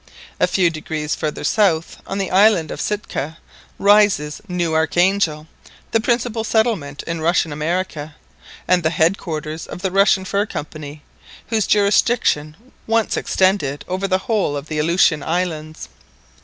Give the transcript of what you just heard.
A few degrees farther south, on the island of Sitka, rises New Archangel, the principal settlement in Russian America, and the head quarters of the Russian Fur Company, whose jurisdiction once extended over the whole of the Aleutian Islands.